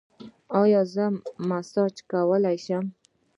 ایا زه مساج کولی شم؟